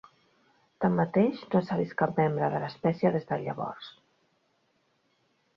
Tanmateix, no s'ha vist cap membre de l'espècie des de llavors.